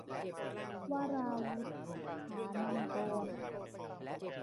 วราวุธ ฐานังกรณ์